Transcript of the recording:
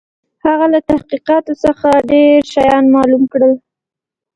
هغه له تحقیقاتو څخه ډېر شيان معلوم کړل.